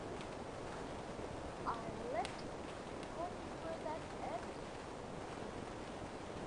I left him free, hoping for that evidence.